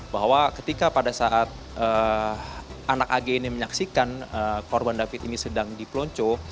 bahwa ketika pada saat anak ag ini menyaksikan korban david ini sedang dipelonco